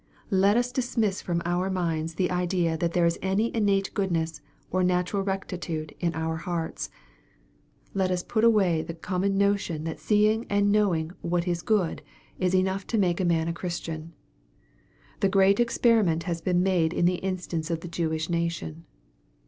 Let us dismiss from our minds the idea that there is any innate goodness or natural rectitude, in our hearts. Let us put away the common notnn that seeing and knowing what is good 11* 250 EXPOSITOR! THOUGHTS. is enough to make a man a Christian. The great ex periment has been made in the instance of the Jewish nation.